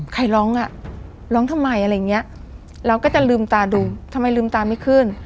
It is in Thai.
ใครร้องอ่ะร้องร้องทำไมอะไรอย่างเงี้ยเราก็จะลืมตาดูทำไมลืมตาไม่ขึ้น